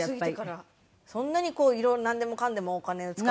そんなになんでもかんでもお金を使って。